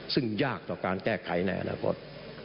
ซึ่งยากต่อการแก้ไขในอนาคต